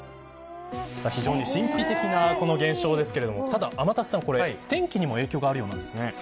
非常に神秘的なこの現象ですがただ天達さん天気にも影響があるようなんですね。